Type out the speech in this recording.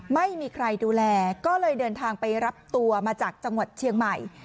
ไม่มีใครดูแลก็เลยเดินทางไปรับตัวมาจากจังหวัดเชียงใหม่